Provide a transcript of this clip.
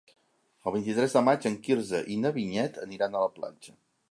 El vint-i-tres de maig en Quirze i na Vinyet aniran a la platja.